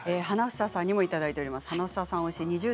花總さんにもいただいています。